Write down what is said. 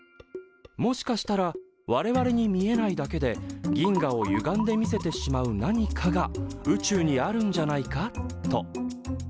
「もしかしたら我々に見えないだけで銀河をゆがんで見せてしまう何かが宇宙にあるんじゃないか？」と。